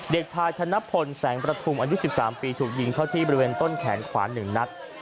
เด็กชายธนพลแสงประทุมอันยุคสิบสามปีถูกยิงเข้าที่บริเวณต้นแขนขวานหนึ่งนัด